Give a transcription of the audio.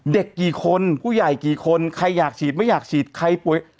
กี่คนผู้ใหญ่กี่คนใครอยากฉีดไม่อยากฉีดใครป่วย